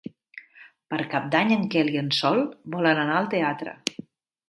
Per Cap d'Any en Quel i en Sol volen anar al teatre.